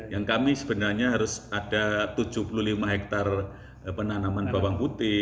yang kami sebenarnya harus ada tujuh puluh lima hektare penanaman bawang putih